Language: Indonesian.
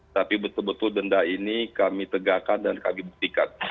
tapi betul betul denda ini kami tegakkan dan kami buktikan